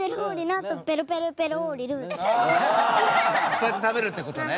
そうやって食べるって事ね。